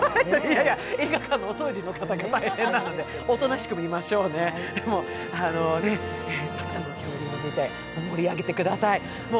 映画館のお掃除の方が大変なので、おとなしく見ましょうねたくさんの恐竜を見て盛り上げてください。